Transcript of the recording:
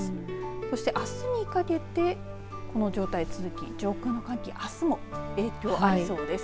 そしてあすにかけてこの状態続き上空の寒気あすも影響ありそうです。